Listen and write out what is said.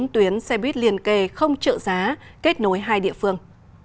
bốn tuyến xe buýt liền kề không trợ giá kết nối hai địa phương